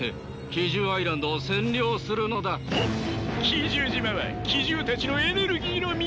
奇獣島は奇獣たちのエネルギーの源。